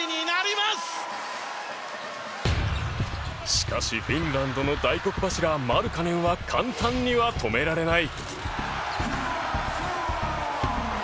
しかし、フィンランドの大黒柱マルカネンは簡単には止められない。